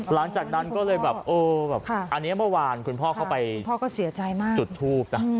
หลังจากนั้นก็เลยแบบอันนี้เมื่อวานคุณพ่อเข้าไปจุดทูบนะ